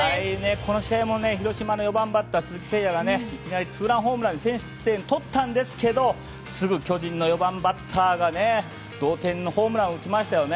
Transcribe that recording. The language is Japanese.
この試合も広島の４番バッター、鈴木誠也がいきなりツーランホームラン先制点を取ったんですがすぐ巨人の４番バッターが同点のホームランを打ちましたよね。